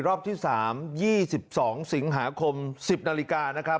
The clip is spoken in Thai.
รอบที่สามยี่สิบสองสิงหาคมสิบนาฬิกานะครับ